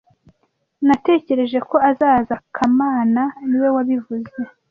Natekereje ko azaza kamana niwe wabivuze